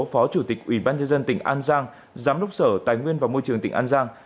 phó chủ tịch ủy ban nhân dân tỉnh an giang giám đốc sở tài nguyên và môi trường tỉnh an giang